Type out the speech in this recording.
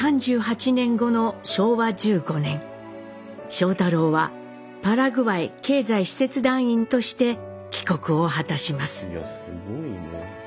庄太郎は「パラグアイ経済使節団員」として帰国を果たします。